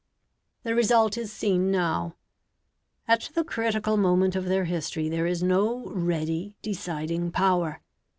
The result is seen now. At the critical moment of their history there is no ready, deciding power.